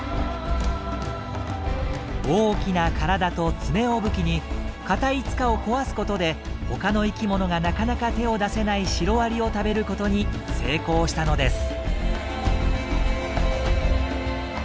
大きな体と爪を武器に硬い塚を壊すことで他の生きものがなかなか手を出せないシロアリを食べることに成功したのです。